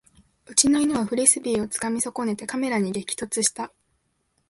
うちの犬はフリスビーをつかみ損ねてカメラに激突した